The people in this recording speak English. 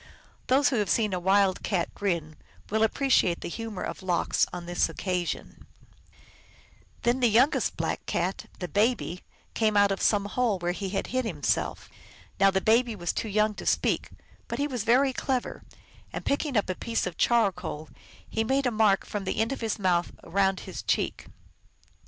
Those who have seen a wild cat grin will appreciate the humor of Lox on this occasion. THE MERRY TALES OF LOX. 183 of some hole where he had hid himself . Now the baby was too young to speak, but he was very clever, and, picking up a piece of charcoal, he made a mark from the end of his mouth around his cheek.